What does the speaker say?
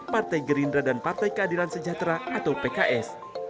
partai gerindra dan partai keadilan sejahtera atau pks